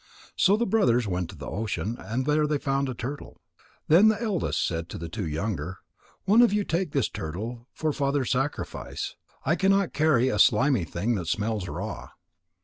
So the brothers went to the ocean and there they found a turtle. Then the eldest said to the two younger: "One of you take this turtle for Father's sacrifice. I cannot carry a slimy thing that smells raw."